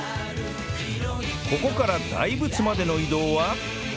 ここから大仏までの移動は